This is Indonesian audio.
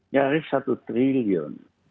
nyaris satu triliun